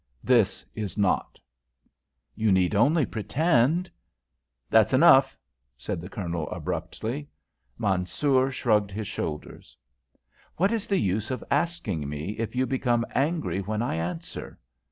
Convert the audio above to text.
This is not." "You need only pretend." "That's enough," said the Colonel, abruptly. Mansoor shrugged his shoulders. "What is the use of asking me, if you become angry when I answer?